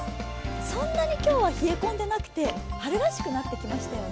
そんなに今日は冷え込んでなくて春らしくなってきましたね。